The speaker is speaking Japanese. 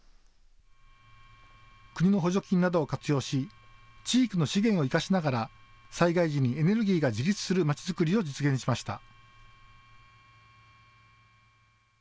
国の補助金などを活用し地域の資源を生かしながら災害時にエネルギーが自立するまちづくりを実現しました。